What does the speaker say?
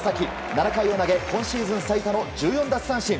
７回を投げ今シーズン最多の１４奪三振。